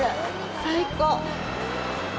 最高。